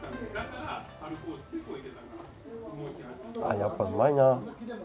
やっぱ、うまいな。